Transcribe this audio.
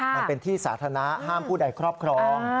มันเป็นที่สาธารณะห้ามผู้ใดครอบครอง